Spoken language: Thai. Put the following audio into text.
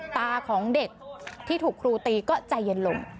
ตาของเด็กที่ถูกครูตีก็ใจเย็นลง